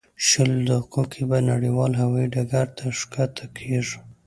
شلو دقیقو کې به نړیوال هوایي ډګر ته ښکته کېږو.